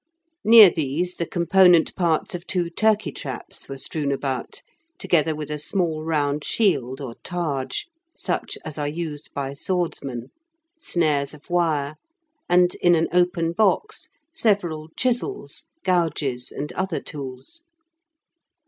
Near these the component parts of two turkey traps were strewn about, together with a small round shield or targe, such as are used by swordsmen, snares of wire, and, in an open box, several chisels, gouges, and other tools.